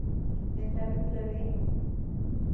انټرنټ لرئ؟